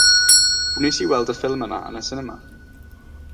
Wnes i weld y ffilm yna yn y sinema.